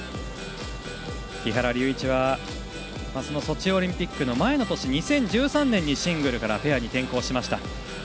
木原龍一はソチオリンピックの前の年２０１３年にシングルからペアに転向しました。